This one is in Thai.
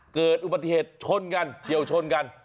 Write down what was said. เกิดอุบัติเหตุชนกันเฉียวชนกัน